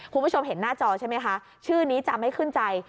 คุณผู้ชมเห็นหน้าจอใช่ไหมคะชื่อนี้จะไม่ขึ้นใจ